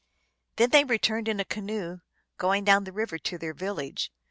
Then they returned in a canoe, going down the river to their village.